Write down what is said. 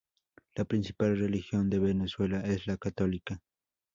La principal religión de Venezuela es la Católica.